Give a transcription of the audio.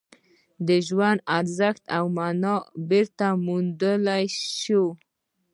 د ژوند ارزښت او مانا بېرته وموندل شوه